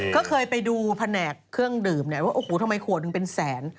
ก็เคยไปดูแผนกเครื่องดื่มเนี่ยว่าโอ้โหทำไมขวดหนึ่งเป็นแสน